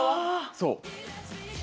そう。